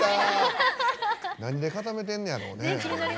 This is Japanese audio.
何で固めてるんやろね。